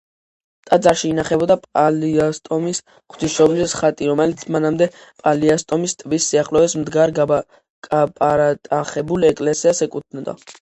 ტაძარში ინახებოდა პალიასტომის ღვთისმშობლის ხატი, რომელიც მანამდე პალიასტომის ტბის სიახლოვეს მდგარ გაპარტახებულ ეკლესიას ეკუთვნოდა.